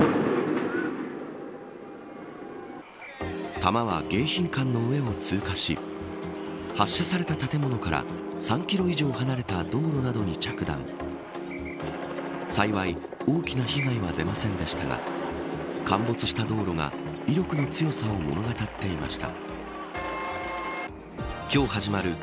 弾は迎賓館の上を通過し発射された建物から３キロ以上離れた道路などに着弾幸い大きな被害は出ませんでしたが陥没した道路が威力の強さを物語っていました。